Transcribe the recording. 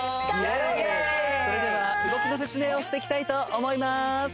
イエーイそれでは動きの説明をしてきたいと思いまーす